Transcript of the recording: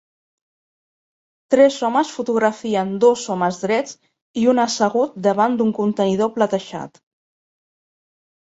Tres homes fotografien dos homes drets i un assegut davant d'un contenidor platejat.